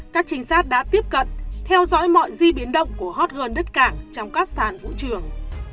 các trinh sát đã tiếp cận theo dõi mọi di biến động của hot hơn đất cảng trong các sàn vũ trường